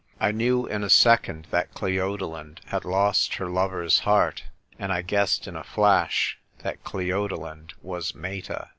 I knew in a second that Cleodolind had lost her lover's heart ; and I guessed in a flash that Cleodo lind was Meta.